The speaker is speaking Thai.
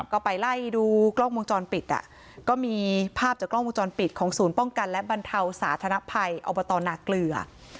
ก็ไปไล่ดูกล้องวงจรปิดอ่ะก็มีภาพจากกล้องวงจรปิดของศูนย์ป้องกันและบรรเทาสาธารณภัยอบตนาเกลือ